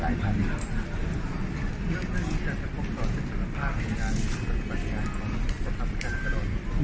หลายพันธุ์